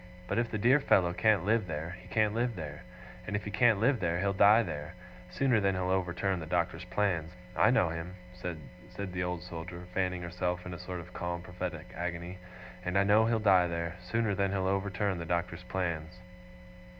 But if the dear fellow can't live there, he can't live there. And if he can't live there, he'll die there, sooner than he'll overturn the Doctor's plans. I know him,' said the Old Soldier, fanning herself, in a sort of calm prophetic agony, 'and I know he'll die there, sooner than he'll overturn the Doctor's plans.